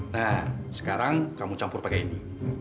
nah sekarang kamu campur pakai ini